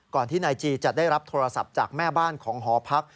ที่นายจีจะได้รับโทรศัพท์จากแม่บ้านของหอพัก